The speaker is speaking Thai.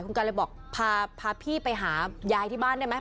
คุณกันเลยบอกพาพี่ไปหายายที่บ้านได้ไหม